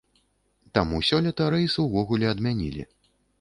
Таму сёлета рэйс увогуле адмянілі.